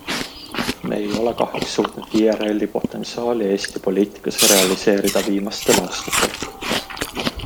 Me ei ole kahjuks suutnud IRLi potentsiaali Eesti poliitikas realiseerida viimastel aastatel.